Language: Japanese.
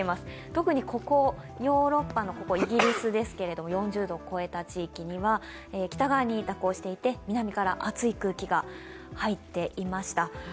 特にここ、ヨーロッパのイギリスですけれども、４０度を超えた地域には北側に蛇行していて南から熱い空気が入っていました。